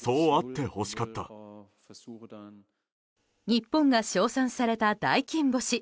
日本が賞賛された大金星。